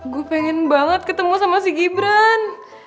gue pengen banget ketemu sama si gibran